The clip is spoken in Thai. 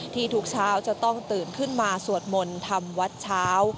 ทุกเช้าจะต้องตื่นขึ้นมาสวดมนต์ทำวัดเช้า